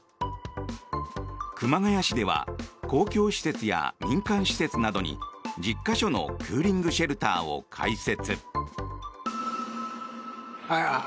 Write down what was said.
熊谷市では公共施設や民間施設などに１０か所のクーリングシェルターを開設。